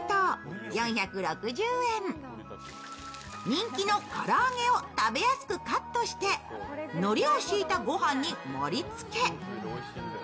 人気のから揚げを食べやすくカットしてのりを敷いた御飯に盛りつけ。